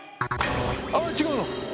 あっ違うの？